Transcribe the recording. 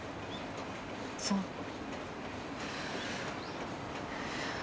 そう。